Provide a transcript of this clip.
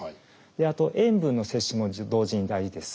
あと塩分の摂取も同時に大事です。